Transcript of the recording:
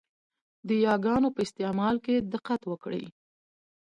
د یاګانو په استعمال کې دقت وکړئ!